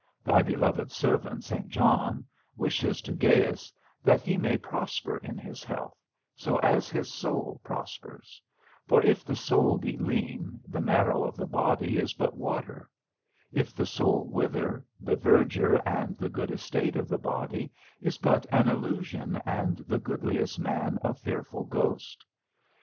Thy beloved servant, St. John, wishes to Gaius, that he may prosper in his health, so as his soul prospers; for if the soul be lean the marrow of the body is but water; if the soul wither, the verdure and the good estate of the body is but an illusion and the goodliest man a fearful ghost.